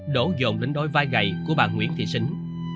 đổ dồn đến đôi vai gầy của bà nguyễn thị xính